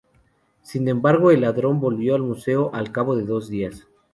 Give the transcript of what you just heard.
Sin embargo, el ladrón volvió al museo al cabo de dos días.